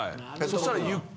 そしたら。